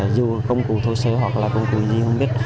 dù công cụ xấu xới hoặc công cụ gì không biết